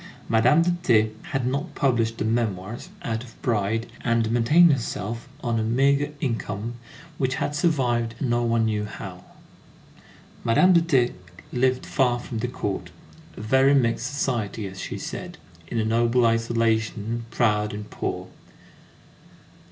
Madame de T. had not published the memoirs, out of pride, and maintained herself on a meagre income which had survived no one knew how. Madame de T. lived far from the Court; "a very mixed society," as she said, in a noble isolation, proud and poor.